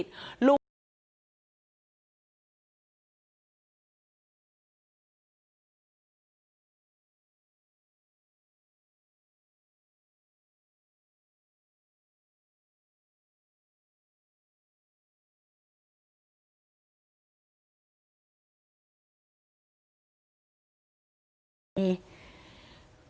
จากคุณที่ถูกกำลังมาดูรถจักรยานยนต์ที่มีหลังสนุกต่อไปส่วนจากคุณลุงประกอบ